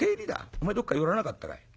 おめえどっか寄らなかったかい？」。